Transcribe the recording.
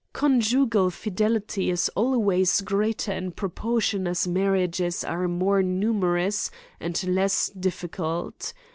Conjugal fidelity is always greater in propor tion as marriages are more numerous and less' difficult.